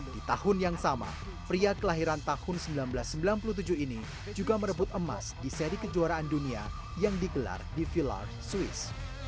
di tahun yang sama pria kelahiran tahun seribu sembilan ratus sembilan puluh tujuh ini juga merebut emas di seri kejuaraan dunia yang digelar di villar swiss